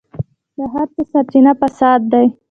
د هر څه سرچينه فساد دی.